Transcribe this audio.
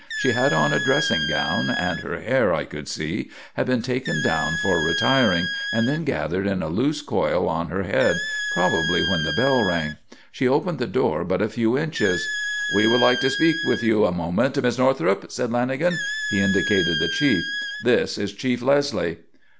She had on a dressing gown, and her hair, I could see, had been taken down for retiring and then gathered in a loose coil on her head, probably when the bell rang. She opened the door but a few inches. "We would like to speak with you a moment, Miss Northrup," said Lanagan. He indicated the chief. "This is Chief Leslie."